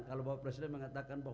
kalau bapak presiden mengatakan